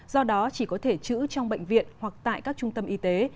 do đó chỉ có thể chữ trong bệnh viện hoặc tại các trung tâm y tế